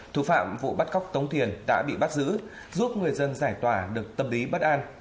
thủ phạm vụ bắt cóc tống tiền đã bị bắt giữ giúp người dân giải tỏa được tâm lý bất an